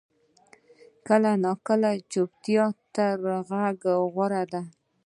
کله ناکله چپتیا تر غږ غوره وي.